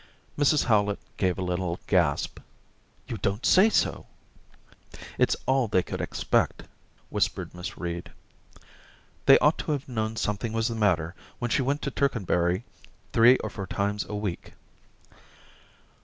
* Mrs Howlett gave a little gasp. ' You don't say so !' 22 2 Orientations * It's all they could expect/ whispered Miss Reed. * They ought to have known something was the matter when she went into Tercanbury three or four times a week.'